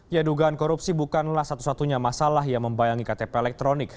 ya dugaan korupsi bukanlah satu satunya masalah yang membayangi ktp elektronik